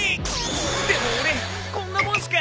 でも俺こんなもんしか。